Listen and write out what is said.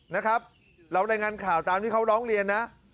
นะครับเรารายงานข่าวตามที่เขาร้องเรียนนะ